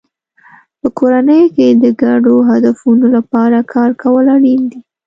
په کورنۍ کې د ګډو هدفونو لپاره کار کول اړین دی.